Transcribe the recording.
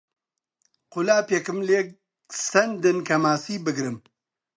قولاپێکم لێ ساندن کە ماسی بگرم